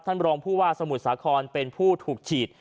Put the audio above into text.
ท่านบริลองค์พูดว่าสมุทรสาครเป็นผู้ถูกฉีด